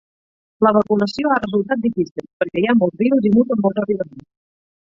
La vacunació ha resultat difícil, perquè hi ha molts virus i muten molt ràpidament.